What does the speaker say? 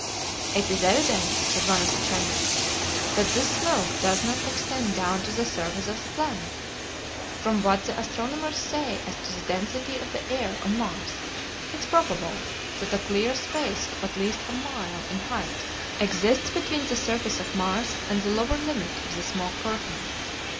"It is evident," said one of the chemists, "that this smoke does not extend down to the surface of the planet. From what the astronomers say as to the density of the air on Mars, it is probable that a clear space of at least a mile in height exists between the surface of Mars and the lower limit of the smoke curtain.